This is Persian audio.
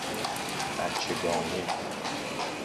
بچه گانه